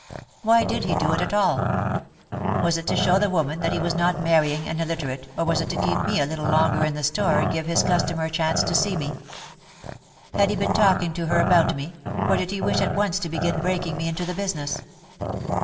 Why did he do it OUT OF THE SHADOW 223 at all? Was it to show the woman that he was not marrying an illiterate or was it to keep me a little longer in the store and give his customer a chance to see me? Had he been talking to her about me, or did he wish at once to begin breaking me into the business?